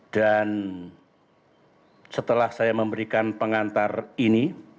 dan setelah saya memberikan pengantar ini